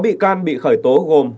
sáu bị can bị khởi tố gồm